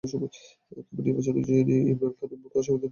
তবে নির্বাচনে জয় নিয়ে ইমরান খানের মতো আশাবাদী নন রাজনৈতিক বিশ্লেষকেরা।